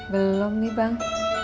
belum nih bang